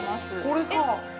◆これか。